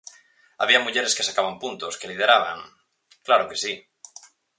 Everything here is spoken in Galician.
Había mulleres que sacaban puntos, que lideraban... Claro que si.